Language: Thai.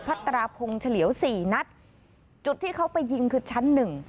ตราพงศ์เฉลี่ยวสี่นัดจุดที่เขาไปยิงคือชั้นหนึ่ง